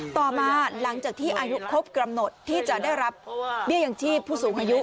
ต่อมาหลังจากที่อายุครบกำหนดที่จะได้รับเบี้ยยังชีพผู้สูงอายุ